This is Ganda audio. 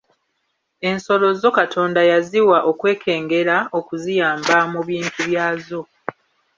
Ensolo zo Katonda yaziwa okwekengera okuziyamba mu bintu byazo.